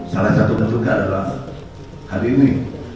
salah satu bentuknya adalah hari ini